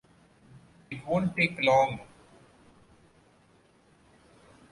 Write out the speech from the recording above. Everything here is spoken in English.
It won't take long.